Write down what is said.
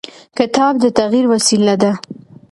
کتاب د تغیر وسیله ده.